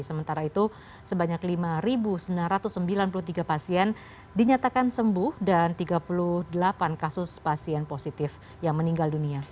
sementara itu sebanyak lima sembilan ratus sembilan puluh tiga pasien dinyatakan sembuh dan tiga puluh delapan kasus pasien positif yang meninggal dunia